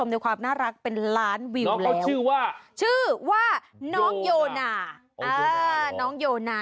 ทำได้ความน่ารักเป็นล้านวิวแล้วชื่อว่าน้องโยนา